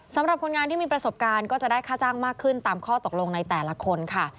สำหรับคนงานที่มีประสบการณ์ก็จะได้ค่าจ้างมากขึ้นตามข้อตกลงในแต่ละคนค่ะ